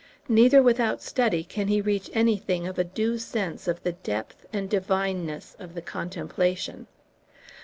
Neither without study can he reach anything of a due sense of the depth and divineness of the contemplation."